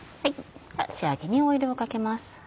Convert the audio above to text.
仕上げにオイルをかけます。